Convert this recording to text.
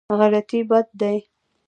غلطي بد دی.